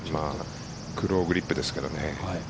クロウグリップですからね。